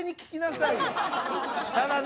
ただね